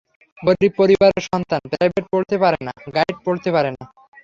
গরিব পরিবারের সন্তান প্রাইভেট পড়তে পারে না, গাইড পড়তে পারে না।